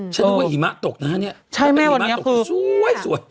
ฉันเรียกว่าหิมาตกนะเนีย